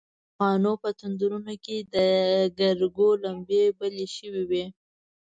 د تاوخانو په تنورونو کې د ګرګو لمبې بلې شوې وې.